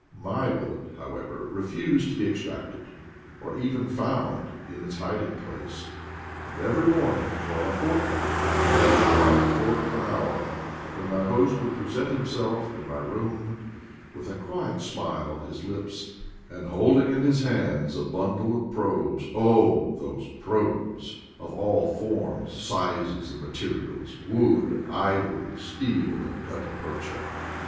My bullet, however, refused to be extracted, or even found in its hiding place, and every morning for a fortnight I had a bad quarter of an hour, when my host would present himself in my room with a quiet smile on his lips and holding in his hands a bundle of probes— oh, those probes!— of all forms, sizes, and materials— wood, ivory, steel, 30 IDLE DAYS IN PATAGONIA and gutta percha.